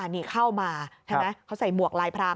นี่เข้ามาใช่ไหมเขาใส่หมวกลายพราง